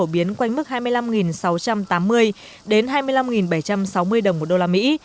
biến quanh mức hai mươi năm sáu trăm tám mươi đến hai mươi năm bảy trăm sáu mươi đồng một đô la mỹ